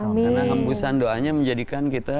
karena hampusan doanya menjadikan kita